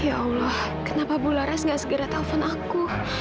ya allah kenapa bularas nggak segera telfon aku